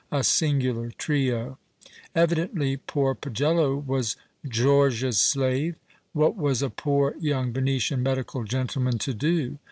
A singular trio ! Evidently poor Pagello was George's slave. \Vhat was a poor young Venetian medical gentleman to do